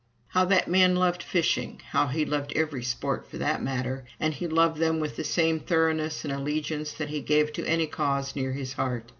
How that man loved fishing! How he loved every sport, for that matter. And he loved them with the same thoroughness and allegiance that he gave to any cause near his heart.